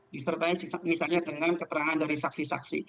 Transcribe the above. disertai misalnya dengan keterangan dari saksi saksi